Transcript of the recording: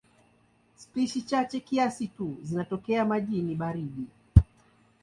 Spishi chache kiasi tu zinatokea majini baridi.